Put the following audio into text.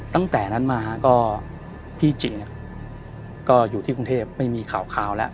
ตั้งแต่นั้นมาก็พี่จิก็อยู่ที่กรุงเทพไม่มีข่าวแล้ว